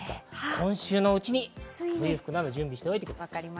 今週のうちに冬服など準備しておいてください。